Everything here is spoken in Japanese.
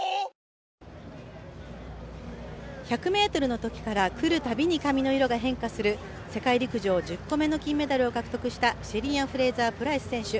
１００ｍのときからくるたびに髪の色が変化する世界陸上１０個目の金メダルを獲得したシェリーアン・フレイザー・プライス選手。